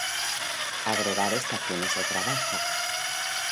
Agregar estaciones de trabajo